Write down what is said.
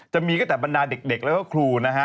จะมีก็แต่บรรดาเด็กแล้วก็ครูนะฮะ